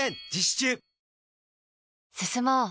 中進もう。